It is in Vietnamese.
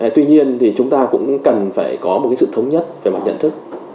tuy nhiên thì chúng ta cũng cần phải có một sự thống nhất về mặt nhận thức